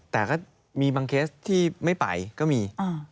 แต่ก็มีบางเคสที่ไม่ไปก็มี